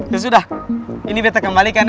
ya sudah ini betta kembalikan ya